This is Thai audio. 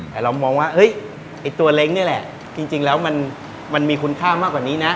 แต่เรามองว่าเฮ้ยไอ้ตัวเล้งนี่แหละจริงแล้วมันมีคุณค่ามากกว่านี้นะ